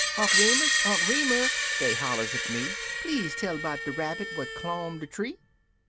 " Unc' Remus! Unc' Remus!" dey hollers at me, "Please tell 'boutde Rabbit what clomb de tree!"